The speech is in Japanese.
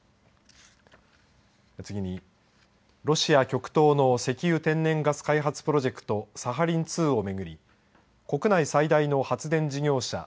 次にロシア極東の石油天然ガス開発プロジェクトサハリン２を巡り国内最大の発電事業者